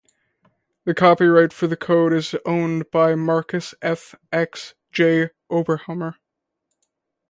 The copyright for the code is owned by Markus F. X. J. Oberhumer.